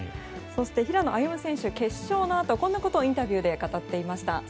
そして、平野歩夢選手決勝のあとこんなことをインタビューで語っていました。